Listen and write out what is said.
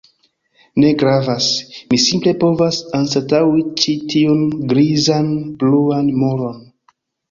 Ne gravas. Mi simple povas anstataŭi ĉi tiun grizan bruan muron.